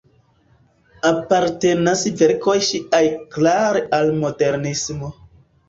Apartenas verkoj ŝiaj klare al modernismo.